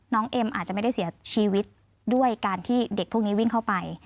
เอ็มอาจจะไม่ได้เสียชีวิตด้วยการที่เด็กพวกนี้วิ่งเข้าไป